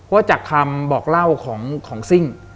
ว่าจากคำบอกเล่าของซิ่ง